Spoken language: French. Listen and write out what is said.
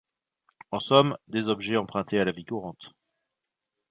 En somme, des objets empruntés à la vie courante.